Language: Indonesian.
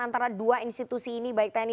antara dua institusi ini baik tni